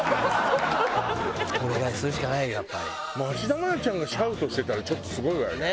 芦田愛菜ちゃんがシャウトしてたらちょっとすごいわよね。